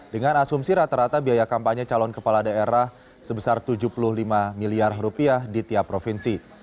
dengan asumsi rata rata biaya kampanye calon kepala daerah sebesar tujuh puluh lima miliar rupiah di tiap provinsi